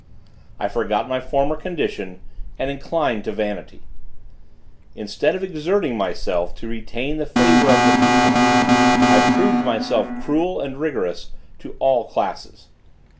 I forgot my former condition, and inclined to vanity. Instead of exerting myself to retain the favor of the people, I proved myself cruel and rigorous to all classes.